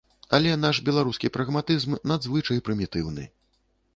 Але наш беларускі прагматызм надзвычай прымітыўны.